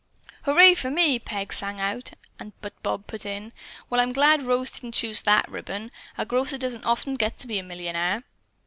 "Hurray for me!" Peg sang out, but Bob put in: "Well, I'm glad Rose didn't choose that ribbon. A grocer doesn't often get to be a millionaire."